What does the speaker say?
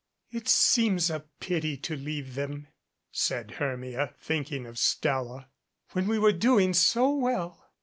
"It seems a pity to leave them," said Hermia, thinking of Stella, "when we were doing so well.